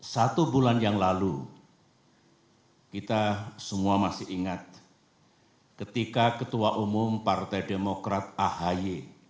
satu bulan yang lalu kita semua masih ingat ketika ketua umum partai demokrat ahy